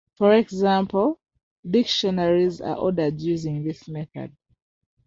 For example, dictionaries are ordered using this method.